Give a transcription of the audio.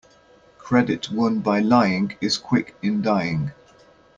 Credit won by lying is quick in dying.